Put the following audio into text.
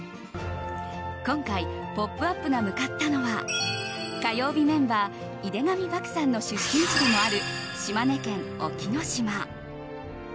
今回「ポップＵＰ！」が向かったのは火曜日メンバー井手上漠さんの出身地でもある島根県隠岐の島。